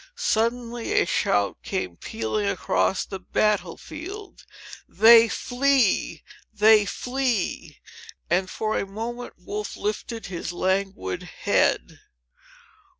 Suddenly, a shout came pealing across the battle field—"They flee! they flee!" and, for a moment, Wolfe lifted his languid head.